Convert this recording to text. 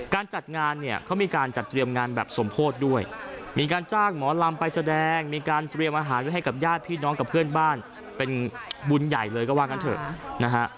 การจัดงานเนี่ยเขามีการจัดเตรียมงานแบบสมโพธิด้วยมีการจ้างหมอลำไปแสดงมีการเตรียมอาหารไว้ให้กับญาติพี่น้องกับเพื่อนบ้านเป็นบุญใหญ่เลยก็ว่ากันเถอะนะฮะ